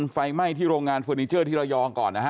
ไฟไหม้ที่โรงงานเฟอร์นิเจอร์ที่ระยองก่อนนะฮะ